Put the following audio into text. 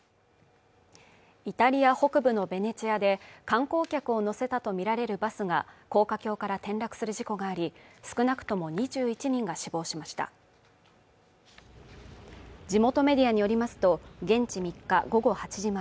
イタリア北部のベネチアで観光客を乗せたとみられるバスが高架橋から転落する事故があり少なくとも２１人が死亡しました地元メディアによりますと現地３日午後８時前